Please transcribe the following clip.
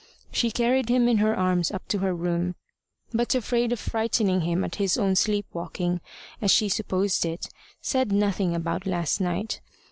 She carried him in her arms up to her room; but, afraid of frightening him at his own sleep walking, as she supposed it, said nothing about last night.